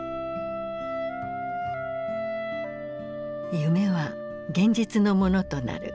夢は現実のものとなる。